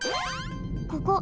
ここ。